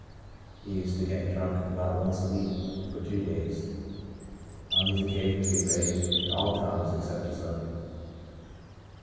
He used to get drunk about once a week, for two days. On these occa sions he raved in all tongues except his own.